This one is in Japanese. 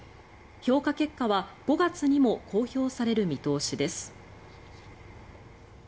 評価結果は５月にも公表される見通しです。